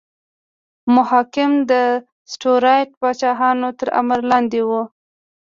محاکم د سټیورات پاچاهانو تر امر لاندې وو.